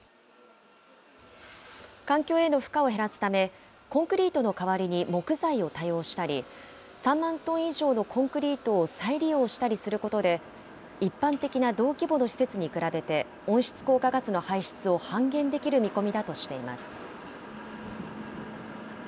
環境への負荷を減らすため、コンクリートの代わりに木材を多用したり、３万トン以上のコンクリートを再利用したりすることで、一般的な同規模の施設に比べて温室効果ガスの排出を半減できる見込みだとしています。